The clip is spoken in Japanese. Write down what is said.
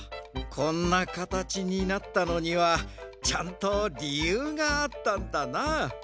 こんなかたちになったのにはちゃんとりゆうがあったんだな。